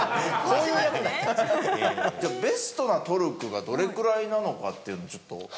じゃあベストなトルクがどれくらいなのかっていうのをちょっと。